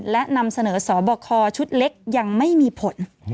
และนำเสนอสอบคอชุดเล็กยังไม่มีผล